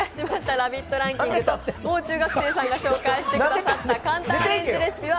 ランキングともう中学生さんが紹介してくださった簡単アレンジレシピは